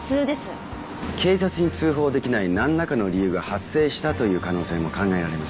警察に通報出来ないなんらかの理由が発生したという可能性も考えられます。